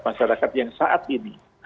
masyarakat yang saat ini